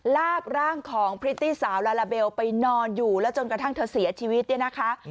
ลากร่างของพริตตี้สาวลาลาเบลไปนอนอยู่แล้วจนกระทั่งเธอเสียชีวิตเนี่ยนะคะ